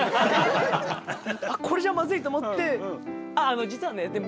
これじゃまずいと思って「ああ実はね」って